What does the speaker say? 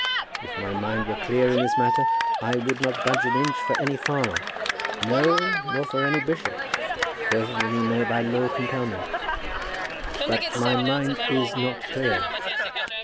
If my mind were clear in this matter, I would not budge an inch for any farmer, no, nor for any bishop, further than he might by law compel me! But my mind is not clear.